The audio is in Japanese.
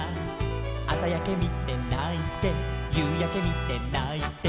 「あさやけみてないてゆうやけみてないて」